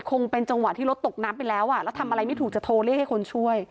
คงเป็นจังหวะที่รถตกน้ำไปแล้วอ่ะแล้วทำอะไรไม่ถูกจะโทรเรียกให้คนช่วย